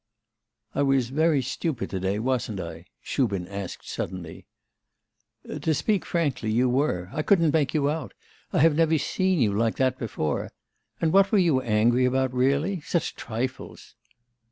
'I was very stupid to day, wasn't I?' Shubin asked suddenly. 'To speak frankly, you were. I couldn't make you out. I have never seen you like that before. And what were you angry about really? Such trifles!